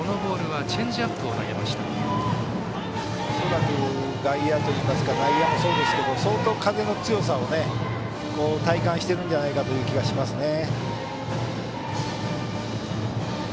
恐らく外野というか内野もそうですが相当風の強さを体感しているんじゃないかという感じがしますね。